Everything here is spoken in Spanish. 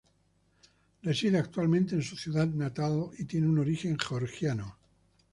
Reside actualmente en su ciudad natal y tiene un origen georgiano.